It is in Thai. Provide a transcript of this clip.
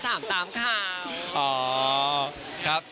ก็ถามตามข่าว